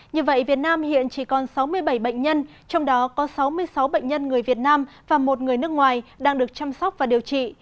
như vậy việt nam hiện chỉ còn sáu mươi bảy bệnh nhân trong đó có sáu mươi sáu bệnh nhân người việt nam và một người nước ngoài đang được chăm sóc và điều trị